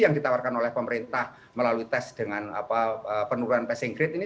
yang ditawarkan oleh pemerintah melalui tes dengan penurunan passing grade ini